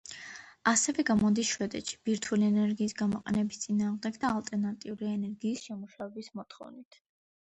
ასევე გამოდის შვედეთში ბირთვული ენერგიის გამოყენების წინააღმდეგ და ალტერნატიული ენერგიის შემუშავების მოთხოვნით.